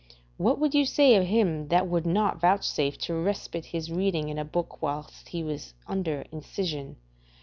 What would you say of him that would not vouchsafe to respite his reading in a book whilst he was under incision?